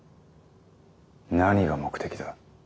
何が目的だ。